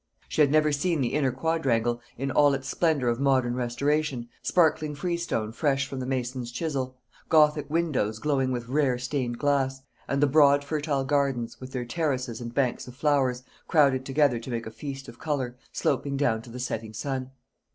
She had never seen the inner quadrangle, in all its splendour of modern restoration sparkling freestone, fresh from the mason's chisel; gothic windows, glowing with rare stained glass; and the broad fertile gardens, with their terraces and banks of flowers, crowded together to make a feast of colour, sloping down to the setting sun.